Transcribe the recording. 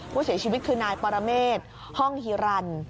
ผู้เสียชีวิตคือนายปรเมษห้องฮิรัน